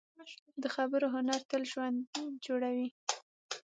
د خبرو هنر تل ژوند جوړوي